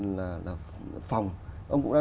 là phòng ông cũng đã